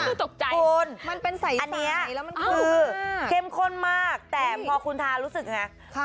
นี่ค่ะคุณอันนี้คือเข้มข้นมากแต่พอคุณทารู้สึกยังไง